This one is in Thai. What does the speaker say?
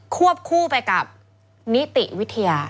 วบคู่ไปกับนิติวิทยา